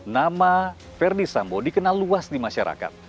nama verdi sambo dikenal luas di masyarakat